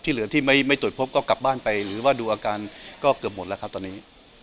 เหลือที่ไม่ตรวจพบก็กลับบ้านไปหรือว่าดูอาการก็เกือบหมดแล้วครับตอนนี้